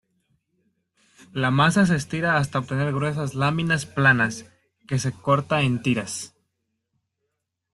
La masa se estira hasta obtener gruesas láminas planas, que se corta en tiras.